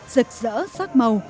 rực rỡ sắc màu